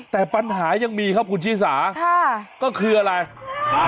แต่ปัญหายังมีครับคุณชิสาค่ะก็คืออะไร